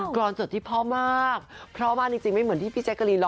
กรรสดที่เพราะมาก